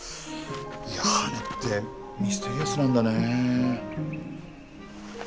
いや羽ってミステリアスなんだねえ。